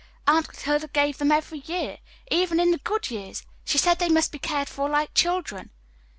Aunt Clotilde gave to them every year even in the good years. She said they must be cared for like children."